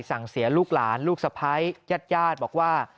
สั่งเสียลูกหลานลูกสะพ้ายญาติญาติบอกว่า